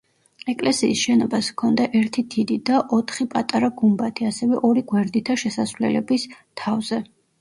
ეკლესიის შენობას ჰქონდა ერთი დიდი და ოთხი პატარა გუმბათი, ასევე ორი გვერდითა შესასვლელების თავზე.